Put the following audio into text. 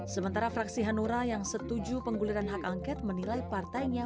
sementara fraksi hanura yang setuju pengguliran hak angket menilai partainya